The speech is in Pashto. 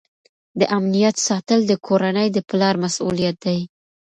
د امنیت ساتل د کورنۍ د پلار مسؤلیت دی.